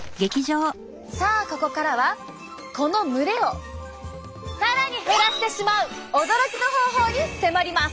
さあここからはこの蒸れを更に減らせてしまう驚きの方法に迫ります！